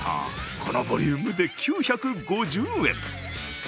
このボリュームで９５０円。